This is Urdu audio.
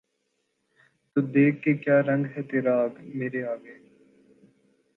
تو دیکھ کہ کیا رنگ ہے تیرا مرے آگے